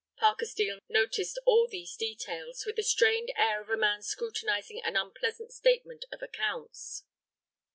Parker Steel noticed all these details with the strained air of a man scrutinizing an unpleasant statement of accounts.